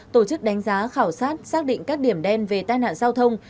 tổ chức đánh giá khảo sát xác định các điểm đen về tai nạn giao thông